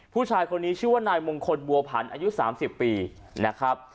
ผู้ชายคนนี้ชื่อว่านายมงคลบัวผันอายุ๓๐ปีนะครับ